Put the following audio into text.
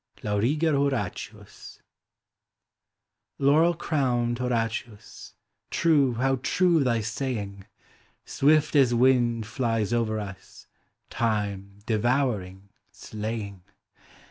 LAURIGEK HOKATIUS. Laurbl cuowxed Horatius, True, how true thy saying! Swift as wind flies over us Time, devouring, slaying.